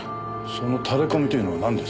そのタレコミというのはなんです？